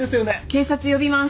警察呼びます。